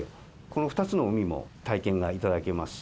この２つの海も体験がいただけます。